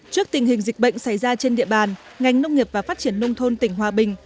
trước tình hình dịch bệnh xảy ra trên địa bàn ngành nông nghiệp và phát triển nông thôn tỉnh hòa bình